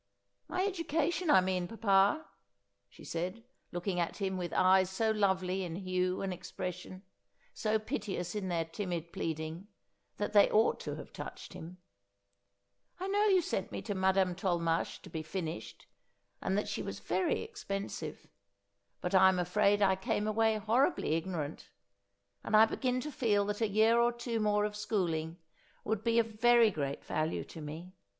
' My education, I mean, papa,' she said, looking at him with eyes so lovely in hue and expression, so piteous in their timid pleading, that they ought to have touched him. ' I know you sent me to Madame Tolmache to be finished, and that she was very expensive ; but I'm afraid I came away horribly ignorant ; and I begin to feel that a year or two more of schooling would be of very great value to me.